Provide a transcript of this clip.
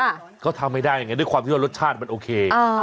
ค่ะก็ทำให้ได้อย่างเงี้ยด้วยความที่ว่ารสชาติมันโอเคอ๋อ